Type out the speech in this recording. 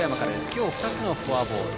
今日２つのツーボール